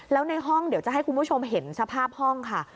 แล้วในห้องเดี๋ยวจะให้คุณผู้ชมเห็นสภาพห้องค่ะ